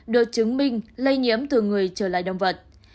được chứng minh lây nhiễm từ người trở lại động vật